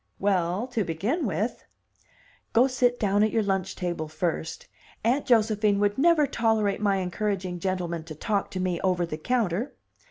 "Well, to begin with " "Go sit down at your lunch table first. Aunt Josephine would never tolerate my encouraging gentlemen to talk to me over the counter."